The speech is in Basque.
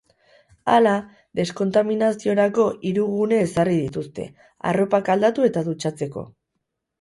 Hala, deskontaminaziorako hiru gune ezarri dituzte, arropak aldatu eta dutxatzeko.